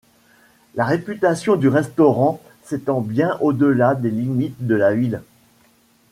La réputation du restaurant s'étend bien au-delà des limites de la ville.